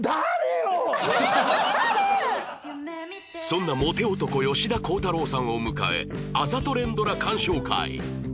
そんなモテ男吉田鋼太郎さんを迎えあざと連ドラ鑑賞会